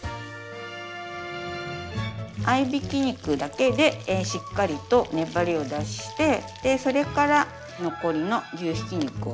合いびき肉だけでしっかりと粘りを出してそれから残りの牛ひき肉を加えますね。